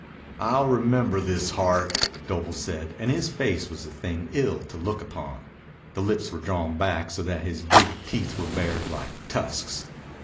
"I'll remember this, Hart," Doble said, and his face was a thing ill to look upon. The lips were drawn back so that his big teeth were bared like tusks.